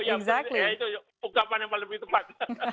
itu ukapan yang paling tepat